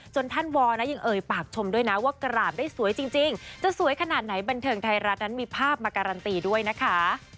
ท่านวอลนะยังเอ่ยปากชมด้วยนะว่ากราบได้สวยจริงจะสวยขนาดไหนบันเทิงไทยรัฐนั้นมีภาพมาการันตีด้วยนะคะ